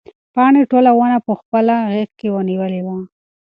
پاڼې ټوله ونه په خپله غېږ کې نیولې وه.